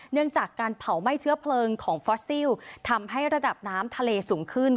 เนื่องจากการเผาไหม้เชื้อเพลิงของฟอสซิลทำให้ระดับน้ำทะเลสูงขึ้น